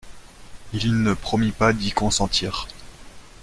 Il ne promit pas d'y consentir.